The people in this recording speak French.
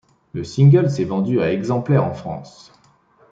Le single s'est vendu à exemplaires en France.